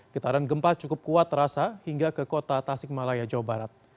getaran gempa cukup kuat terasa hingga ke kota tasik malaya jawa barat